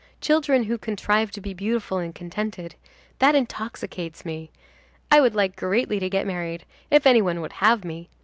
Children who contrive to be beautiful and contented,—that intoxicates me. I would like greatly to get married, if any one would have me.